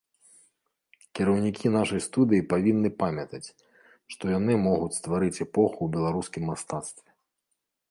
Кіраўнікі нашай студыі павінны памятаць, што яны могуць стварыць эпоху ў беларускім мастацтве.